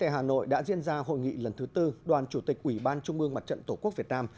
hà nội đã diễn ra hội nghị lần thứ tư đoàn chủ tịch ủy ban trung mương mặt trận tổ quốc việt nam